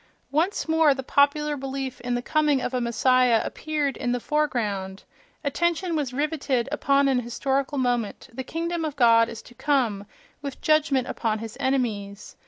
Once more the popular belief in the coming of a messiah appeared in the foreground; attention was rivetted upon an historical moment: the "kingdom of God" is to come, with judgment upon his enemies....